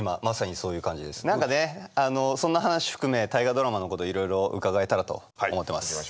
そんな話含め「大河ドラマ」のこといろいろ伺えたらと思ってます。